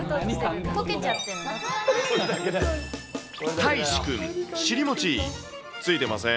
たいしくん、尻餅、ついてません。